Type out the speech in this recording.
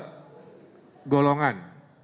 kedalam dua golongan